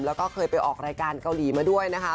แล้วก็เคยไปออกรายการเกาหลีมาด้วยนะคะ